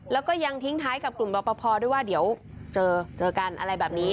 แล้วก็ยังทิ้งท้ายกับกลุ่มรอปภด้วยว่าเดี๋ยวเจอเจอกันอะไรแบบนี้